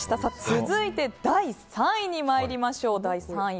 続いて、第３位に参りましょう。